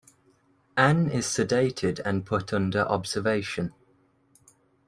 Ann is sedated and put under observation.